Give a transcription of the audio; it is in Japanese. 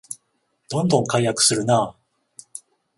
どんどん改悪するなあ